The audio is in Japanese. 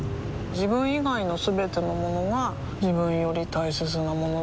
自分以外のすべてのものが自分より大切なものだと思いたい